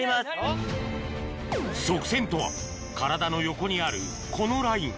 側線とは体の横にあるこのライン